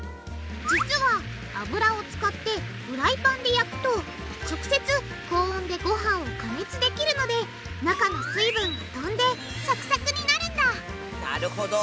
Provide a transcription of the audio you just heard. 実は油を使ってフライパンで焼くと直接高温でごはんを加熱できるので中の水分がとんでサクサクになるんだなるほど。